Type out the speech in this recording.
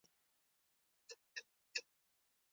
سهار د طبیعت دنده تازه کوي.